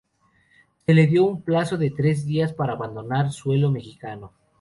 Se le dio un plazo de tres días para abandonar suelo mexicano.